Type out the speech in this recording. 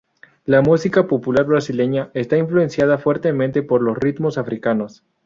La música popular brasileña está influenciada fuertemente por los ritmos africanos.